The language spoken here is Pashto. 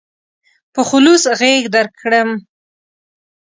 په خلوص غېږ درکړم.